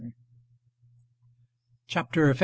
CHAPTER LV.